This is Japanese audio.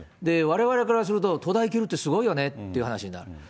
われわれからすると、東大行けるってすごいよねっていう話になる。